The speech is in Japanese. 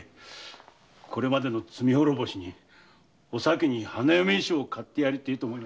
これまでの罪滅ぼしにお咲に花嫁衣装を買ってやりたいと。